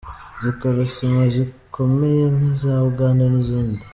zikora sima zikomeye nk’iza Uganda n’izindi.